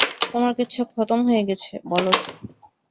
আমার কেচ্ছা খতম হয়ে গেছে, বলদ।